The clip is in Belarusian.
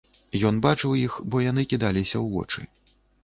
Ён бачыў іх, бо яны кідаліся ў вочы.